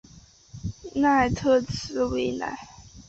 纳特兹维莱。